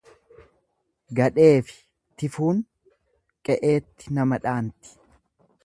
Gadheefi tifuun qe'eetti nama dhaanti.